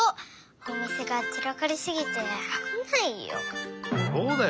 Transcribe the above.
おみせがちらかりすぎてあぶないよ。